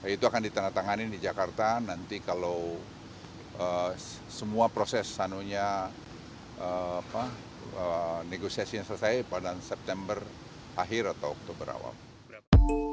itu akan ditandatanganin di jakarta nanti kalau semua proses negosiasinya selesai pada september akhir atau oktober awal